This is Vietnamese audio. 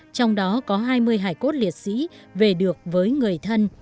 trong đó có hai mươi hải cốt liệt sĩ về được với người thân